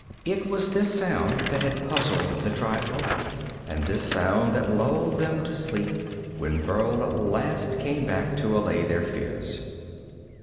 It was this sound that had puzzled the tribefolk, and this sound that lulled them to sleep when Burl at last came back to allay their fears.